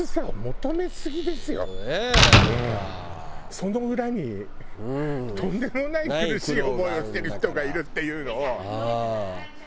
その裏にとんでもない苦しい思いをしてる人がいるっていうのを。